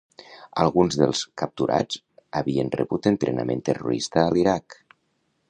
Alguns dels capturats havien rebut entrenament terrorista a l'Iraq.